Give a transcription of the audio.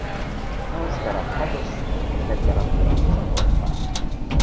Nyolc darab hatos és egy darab ötös csoport van.